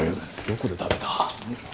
どこで食べた？